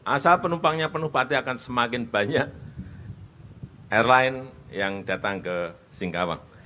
asal penumpangnya penuh berarti akan semakin banyak airline yang datang ke singkawang